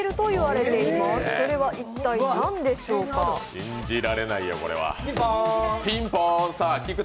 信じられないよ、これは。